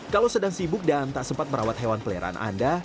kalau sedang sibuk dan tak sempat merawat hewan peliharaan anda